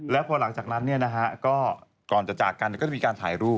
แล้วพอหลังจากนั้นเนี่ยนะฮะก็ก่อนจะจากกันเนี่ยก็มีการถ่ายรูป